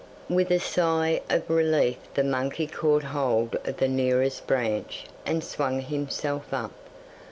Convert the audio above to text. With a sigh of relief the monkey caught hold of the nearest branch and swung himself up.